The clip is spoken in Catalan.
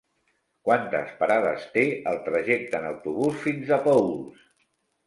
Quantes parades té el trajecte en autobús fins a Paüls?